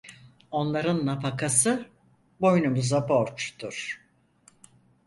Onların nafakası boynumuza borçtur.